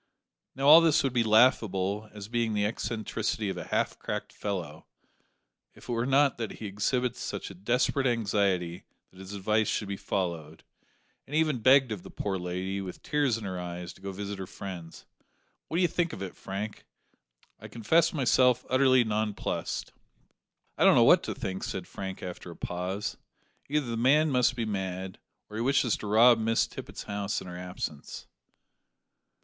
Now, all this would be laughable, as being the eccentricity of a half cracked fellow, if it were not that he exhibits such a desperate anxiety that his advice should be followed, and even begged of the poor lady, with tears in his eyes, to go to visit her friends. What d'ye think of it, Frank? I confess myself utterly nonplussed." "I don't know what to think," said Frank after a pause. "Either the man must be mad, or he wishes to rob Miss Tippet's house in her absence."